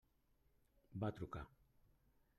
Va trucar.